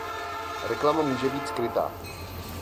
Reklama může být skrytá.